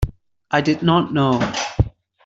I did not know.